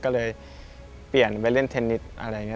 ก็เลยเปลี่ยนไปเล่นเทนนิสอะไรอย่างนี้